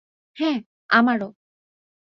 হ্যাঁ, আমারো।